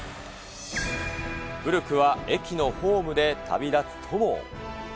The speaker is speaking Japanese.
古くは駅のホームで旅立つ友を。